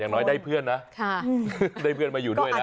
อย่างน้อยได้เพื่อนนะได้เพื่อนมาอยู่ด้วยแล้ว